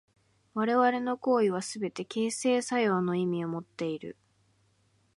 我々の行為はすべて形成作用の意味をもっている。